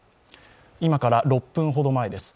今から６分ほど前です。